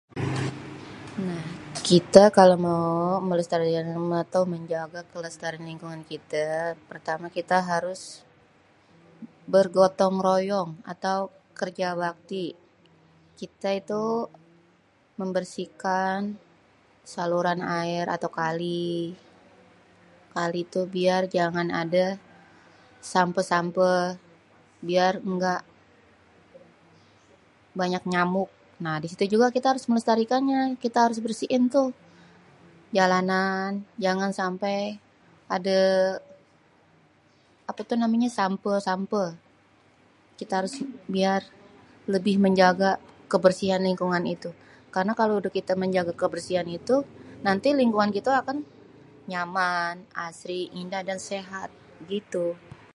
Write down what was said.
Nah, kite kalo mao melestarikan tuh menjaga kelestarian lingkungan kite pertame kita harus bergotong royong atau kerja bakti. Kita itu membersihkan saluran air atau kali, kali itu biar jangan ade sampeh-sampeh biar engga banyak nyamuk. Nah, di situ juga kita harus melestarikannya kita harus bersiin tuh jalanan jangan sampai ade ape tuh namenye sampeh-sampeh kita harus biar lebih kita harus menjaga kebersihan lingkungan itu karna kalu kita udah menjaga kebersihan lingkungan itu nanti lingkungan kita akan nyaman asri indah dan sehat gitu.